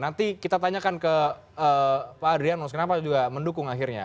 nanti kita tanyakan ke pak adrianus kenapa juga mendukung akhirnya